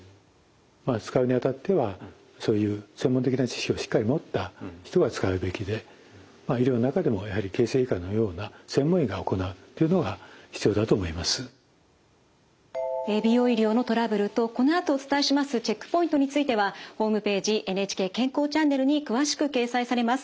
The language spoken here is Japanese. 使うにあたってはそういう専門的な知識をしっかり持った人が使うべきで医療の中でもやはり美容医療のトラブルとこのあとお伝えしますチェックポイントについてはホームページ「ＮＨＫ健康チャンネル」に詳しく掲載されます。